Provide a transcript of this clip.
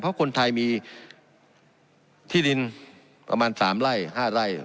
เพราะคนไทยมีที่ดินประมาณ๓ไร่๕ไร่